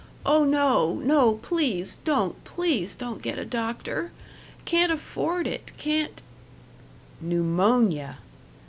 Oh no, no, please don't, please don't get a doctor. Can't afford it can't " Pneumonia!